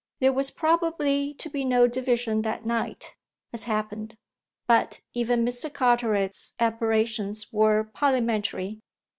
There was probably to be no division that night, as happened, but even Mr. Carteret's aberrations were parliamentary.